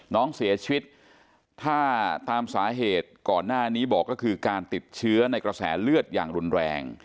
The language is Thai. น้องเสียชีวิตถ้าตามสาเหตุก่อนหน้านี้บอกก็คือการติดเชื้อในกระแสเลือดอย่างรุนแรง